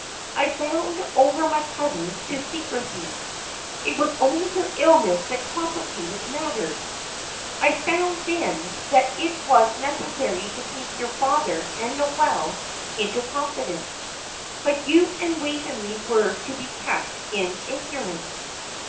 I bound over my cousins to secrecy. It was only your illness that complicated matters. I found, then, that it was necessary to take your father and Noel into confidence; but you and Waveney were to be kept in ignorance.